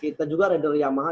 kita juga render yamaha